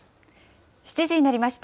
７時になりました。